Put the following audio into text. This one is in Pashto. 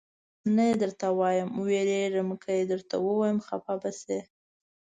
نه یې درته وایم، وېرېږم که یې درته ووایم خفه به شې.